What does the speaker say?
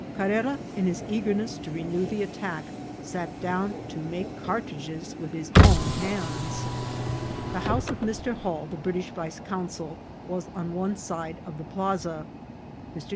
Carrera, in his eagerness to renew the attack, sat down to make cartridges with his own hands. The house of Mr. Hall, the British vice consul, was on one of the sides of the plaza. Mr.